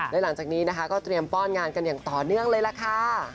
และหลังจากนี้นะคะก็เตรียมป้อนงานกันอย่างต่อเนื่องเลยล่ะค่ะ